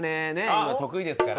今得意ですから。